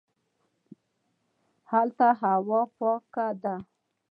هلته هوا پاکه ده